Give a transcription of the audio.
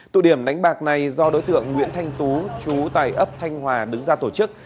tụ điểm đánh bạc này do đối tượng nguyễn thanh tú chú tại ấp thanh hòa đứng ra tổ chức